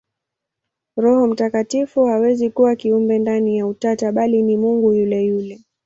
Roho Mtakatifu hawezi kuwa kiumbe ndani ya Utatu, bali ni Mungu yule yule.